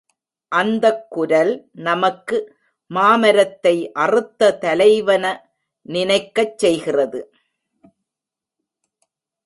அந்தக் குரல் நமக்கு மாமரத்தை அறுத்த தலைவன நினைக்கச் செய்கிறது.